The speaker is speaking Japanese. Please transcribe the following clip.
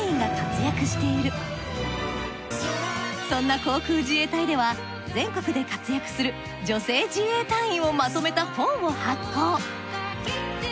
そんな航空自衛隊では全国で活躍する女性自衛隊員をまとめた本を発行。